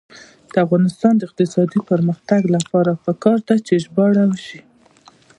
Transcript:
د افغانستان د اقتصادي پرمختګ لپاره پکار ده چې ژباړه وشي.